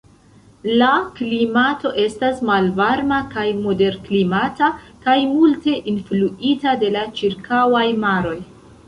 La klimato estas malvarma kaj moderklimata kaj multe influita de la ĉirkaŭaj maroj.